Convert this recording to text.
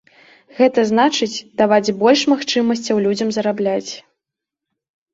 Гэта значыць, даваць больш магчымасцяў людзям зарабляць.